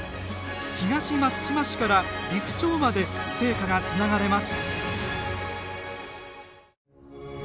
東松島市から利府町まで聖火がつながれます。